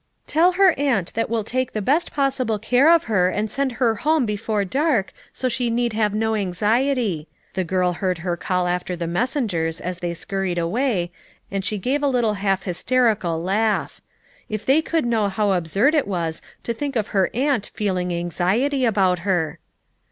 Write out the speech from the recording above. "Tell her aunt that we'll take the best pos sible care of her and send her home before dark, so she need have no anxiety," the girl heard her call after the messengers, as they scurried away, and she gave a little half hys 90 FOUR MOTHERS AT CHAUTAUQUA terical laugh. If they could know how absurd it was to think of her aunt feeling anxiety about her